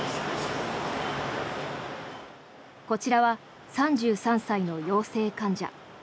こちらは３３歳の陽性患者。